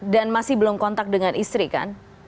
dan masih belum kontak dengan istri kan